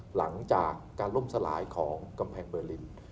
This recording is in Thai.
หลังจากการล่มสลายของกำแพงเบอร์ลิน